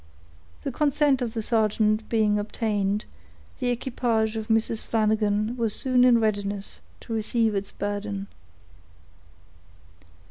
The consent of the sergeant being obtained, the equipage of Mrs. Flanagan was soon in readiness to receive its burden.